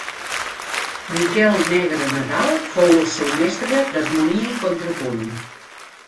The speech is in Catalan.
Miquel Negre Nadal fou el seu mestre d'harmonia i contrapunt.